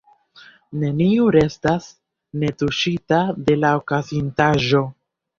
Neniu restas netuŝita de la okazintaĵo.